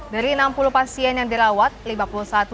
dari enam puluh pasien yang dirawat lima puluh satu dirawat